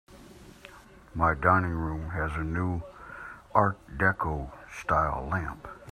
My dining room has a new art deco style lamp.